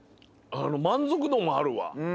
満足度もあるわ。